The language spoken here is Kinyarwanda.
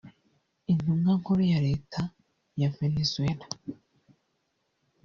Intumwa Nkuru ya Leta ya Venezuela